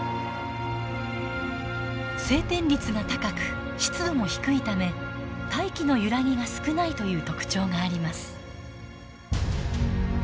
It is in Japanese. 晴天率が高く湿度も低いため大気の揺らぎが少ないという特徴があります。